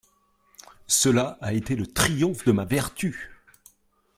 Cela a été le triomphe de ma vertu !